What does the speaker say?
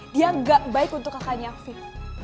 dia gak baik untuk kakaknya afif